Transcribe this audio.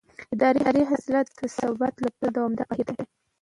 اداري اصلاح د ثبات لپاره دوامداره بهیر دی